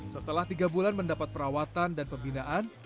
setelah tiga bulan mendapat perawatan dan pembinaan